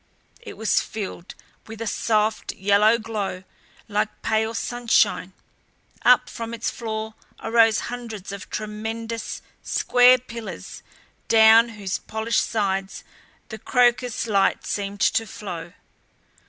It was filled with a soft yellow glow like pale sunshine. Up from its floor arose hundreds of tremendous, square pillars down whose polished sides the crocus light seemed to flow.